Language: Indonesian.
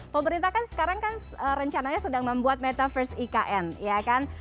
pemerintah kan sekarang kan rencananya sedang membuat metaverse ikn ya kan